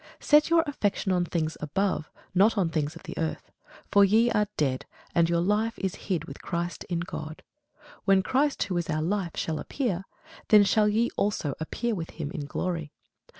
Set your affection on things above, not on things on the earth. For ye are dead, and your life is hid with Christ in God. When Christ, who is our life, shall appear, then shall ye also appear with him in glory.